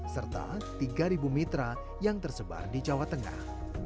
serta tiga mitra yang tersebar di jawa tengah